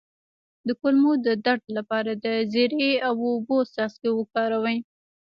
د کولمو د درد لپاره د زیرې او اوبو څاڅکي وکاروئ